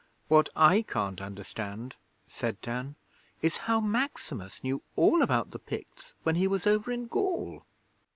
'What I can't understand,' said Dan, 'is how Maximus knew all about the Picts when he was over in Gaul.'